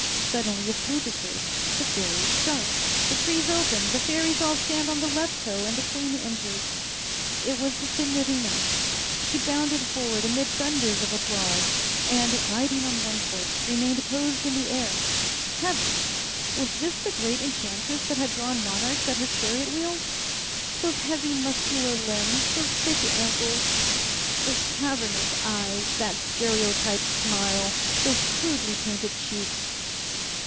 Suddenly a flute is heard. The fairies start. The trees open, the fairies all stand on the left toe, and the queen enters. It was the Signorina. She bounded forward amid thunders of applause, and, lighting on one foot, remained poised in the air. Heavens! was this the great enchantress that had drawn monarchs at her chariot wheels? Those heavy, muscular limbs, those thick ankles, those cavernous eyes, that stereotyped smile, those crudely painted cheeks!